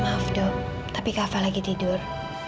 maaf dok tapi kak afah lagi tidur